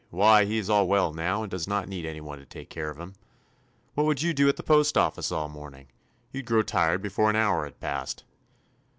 Why he is all well now and does not need any one to take care of him. What would you do at the postoffice all the morning? You 'd grow tired before an hour had passed."